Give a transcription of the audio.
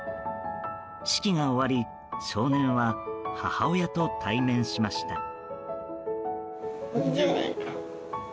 式が終わり少年は母親と対面しました。